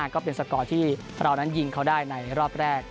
ก็เป็นสกอร์ที่เรานั้นยิงเขาได้ในรอบแรก